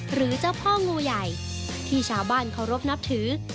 หรือเจ้าพ่องูใหญ่ที่ชาวบ้านเคารพนับถือ